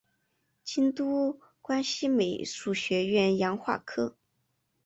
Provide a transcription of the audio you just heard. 京都关西美术学院洋画科